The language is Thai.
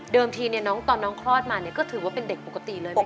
เดิมทีตอนน้องคลอดมาก็ถือว่าเป็นเด็กปกติเลยไหมคะ